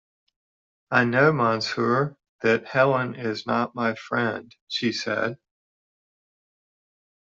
"I know, monsieur, that Helene is not my friend," she said.